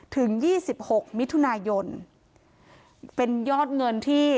ถึง๒๖มิถุนายนเป็นยอดเงินที่